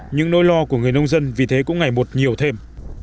những nỗi lo của người nông dân vì thế cũng ngày một nhiều thêm